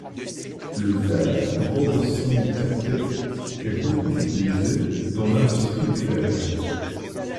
Le verre borosilicaté est beaucoup utilisé dans l'industrie nucléaire.